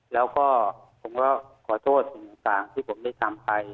แล้วก็ผมก็ขอโทษสิ่งต่างที่ผมได้ทำไป